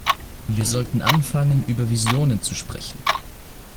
Wir sollten anfangen, über Visionen zu sprechen.